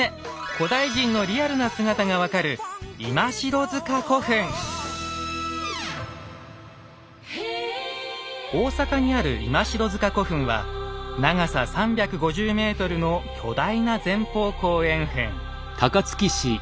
古代人のリアルな姿が分かる大阪にある「今城塚古墳」は長さ３５０ｍの巨大な前方後円墳。